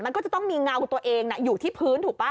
มันก็จะต้องมีเงาของตัวเองนะอยู่ที่พื้นถูกปะ